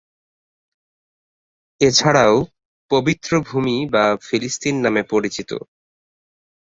এছাড়াও পবিত্র ভূমি বা ফিলিস্তিন নামে পরিচিত।